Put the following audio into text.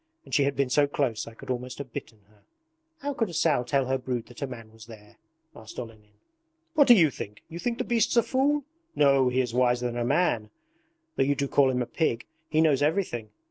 And she had been so close I could almost have bitten her.' 'How could a sow tell her brood that a man was there?' asked Olenin. 'What do you think? You think the beast's a fool? No, he is wiser than a man though you do call him a pig! He knows everything.